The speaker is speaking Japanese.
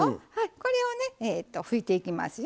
これをね、拭いていきますよ。